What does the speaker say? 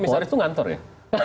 komisaris itu ngantor ya